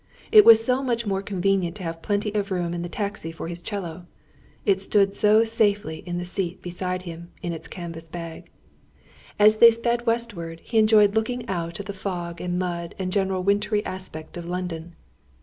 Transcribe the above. It was so much more convenient to have plenty of room in the taxi for his 'cello. It stood so safely on the seat beside him, in its canvas bag. As they sped westward he enjoyed looking out at the fog and mud and general wintry aspect of London.